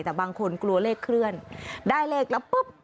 แต่บางคนกลัวเลขเคลื่อนได้เลขแล้วปุ๊บ